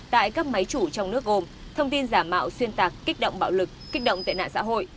tại các máy chủ trong nước gồm thông tin giả mạo xuyên tạc kích động bạo lực kích động tệ nạn xã hội